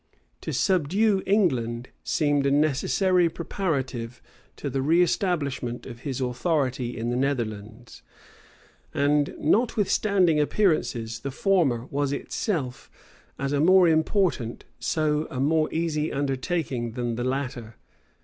To subdue England seemed a necessary preparative to the reestablishment of his authority in the Netherlands; and notwithstanding appearances, the former was in itself, as a more important, so a more easy undertaking than the latter.